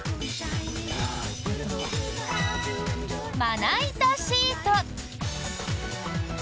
まな板シート。